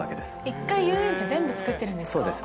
一回遊園地全部作ってるんでそうです。